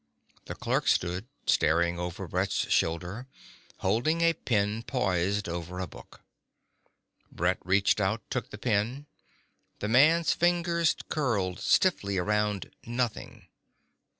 The clerk stood, staring over Brett's shoulder, holding a pen poised over a book. Brett reached out, took the pen. The man's finger curled stiffly around nothing.